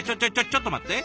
ちょっと待って。